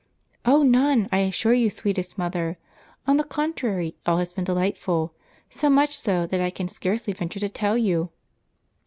"Oh, none, I assure you, sweetest* mother; on the con trary, all has been delightful, — so much so, that I can scarcely venture to tell you."